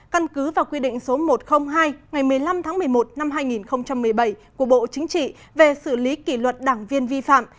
căn cứ vào quy định số một trăm linh hai ngày một mươi năm tháng một mươi một năm hai nghìn một mươi bảy của bộ chính trị về xử lý kỷ luật đảng viên vi phạm